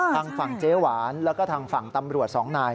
ทางฝั่งเจ๊หวานแล้วก็ทางฝั่งตำรวจสองนาย